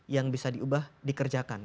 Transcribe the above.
yang bisa diubah dikerjakan